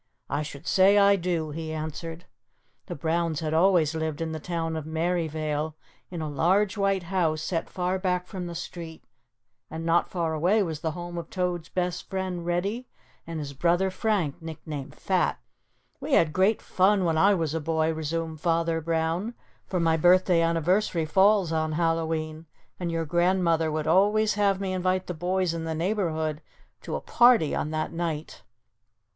"I should say I do," he answered. The Browns had always lived in the town of Merryvale in a large, white house, set far back from the street, and not far away was the home of Toad's best friend Reddy and his brother Frank nick named "Fat." "We had great fun when I was a boy," resumed Father Brown, "for my birthday anniversary falls on Hallowe'en and your grandmother would always have me invite the boys in the neighborhood to a party on that night."